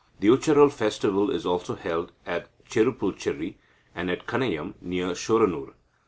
The Ucharal festival is also held at Cherupulcherri, and at Kanayam near Shoranur.